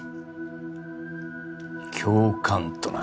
「教官」とな。